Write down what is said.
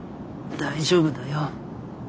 大丈夫だよ。